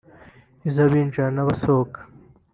iz’abinjira n’abasohoka